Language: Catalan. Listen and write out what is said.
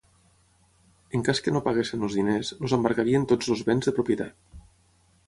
En cas que no paguessin els diners, els embargarien tots els béns de propietat.